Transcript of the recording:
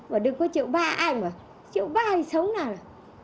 bảo đừng có triệu ba ai bảo triệu ba hay sống nào